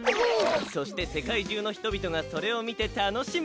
そして世界中の人々がそれを見て楽しむ！